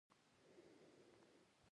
یو د بل غوښې خوري.